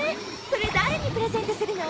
それ誰にプレゼントするの？